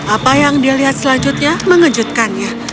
apa yang dia lihat selanjutnya mengejutkannya